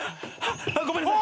ごめんなさい。